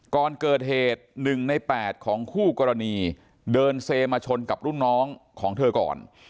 ก่อนเกิดเหตุ๑ใน๘ของคู่กรณีเดินเซมาชนกับรุ่นน้องของเธอก่อน